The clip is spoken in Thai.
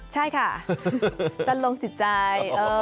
ใช่ค่ะจะลงจิตใจ